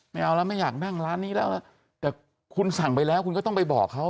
ไม่เอาแล้วไม่อยากนั่งร้านนี้แล้วแต่คุณสั่งไปแล้วคุณก็ต้องไปบอกเขา